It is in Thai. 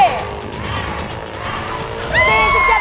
อยากเป็นสิ่งที่จะได้๒๗